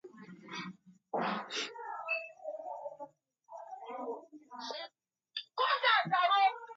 Nan and her siblings were homeschooled as children.